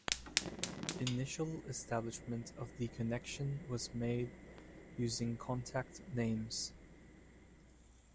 Initial establishment of the connection was made using contact names.